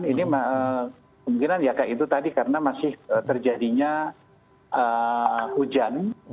ini kemungkinan ya kayak itu tadi karena masih terjadinya hujan